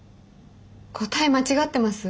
答え間違ってます？